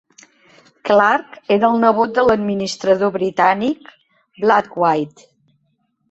Clarke era el nebot de l'administrador britànic Blathwayt.